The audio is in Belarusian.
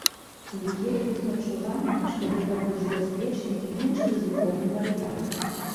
У людзей ёсць адчуванне, што гэта больш бяспечны і менш рызыкоўны варыянт.